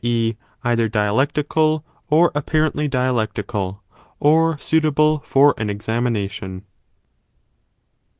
e. either dialectical or appar ently dialectical, or suitable for an examination.